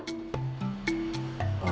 gak ada apa apa